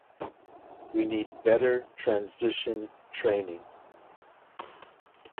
We need better transition training.